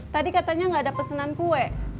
tadi katanya nggak ada pesanan kue